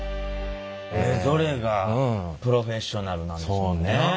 それぞれがプロフェッショナルなんですもんね。